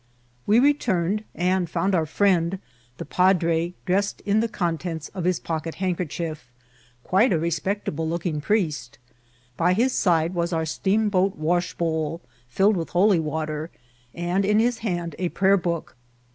We returned, and found our £^iend, the padre, dress ed in the contents of his pocket handkerchief, quite a respectaUe looking priest. By his side was our steam boat washbowl, fiUed with holy water, and in his hand a prayer book.